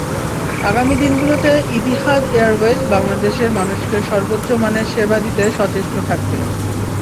আগামী দিনগুলোতে Etihad Airways বাংলাদেশের মানুষকে সর্বোচ্চ মানের সেবা দিতে সচেষ্ট থাকবে।